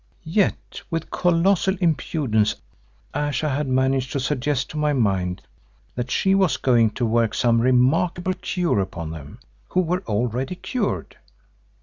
Yet with colossal impudence Ayesha had managed to suggest to my mind that she was going to work some remarkable cure upon them, who were already cured.